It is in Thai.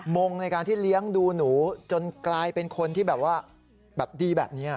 มวงด์ในการที่เลี้ยงดูหนูจนกลายเป็นคนที่ดีแบบนี้